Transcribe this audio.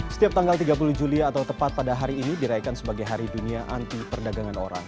setiap tanggal tiga puluh juli atau tepat pada hari ini dirayakan sebagai hari dunia anti perdagangan orang